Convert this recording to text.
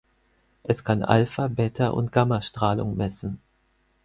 Es kann Alpha-, Beta- und Gammastrahlung messen.